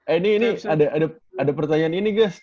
eh ini ini ada pertanyaan ini guys